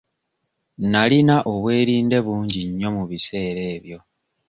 Nnalina obwerinde bungi nnyo mu biseera ebyo.